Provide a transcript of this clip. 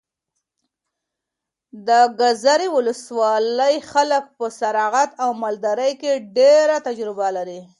د ګذرې ولسوالۍ خلک په زراعت او مالدارۍ کې ډېره تجربه لري.